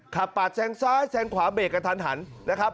ปาดแซงซ้ายแซงขวาเบรกกันทันหันนะครับ